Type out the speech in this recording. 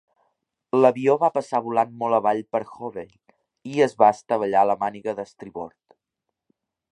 L' avió va passar volant molt avall per "Hovey" i es va estavellar a la màniga d'estribord.